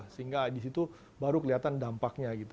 sehingga di situ baru kelihatan dampaknya gitu